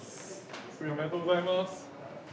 ・おめでとうございます。